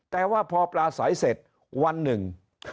แต่ว่าพอปลาใสเสร็จวันหนึ่ง